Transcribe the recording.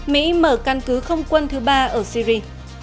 mỹ mở căn cứ không quân thứ ba ở syri